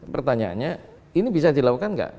pertanyaannya ini bisa dilakukan nggak